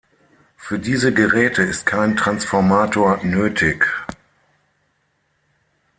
Für diese Geräte ist kein Transformator nötig.